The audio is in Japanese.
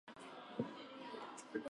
絵本